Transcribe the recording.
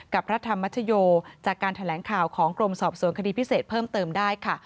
พระธรรมชโยจากการแถลงข่าวของกรมสอบสวนคดีพิเศษเพิ่มเติมได้ค่ะ